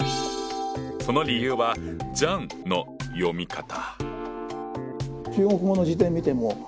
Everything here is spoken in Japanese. その理由はジャンの読み方！